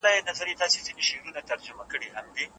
انګریزان له دې مرستې ویریږي.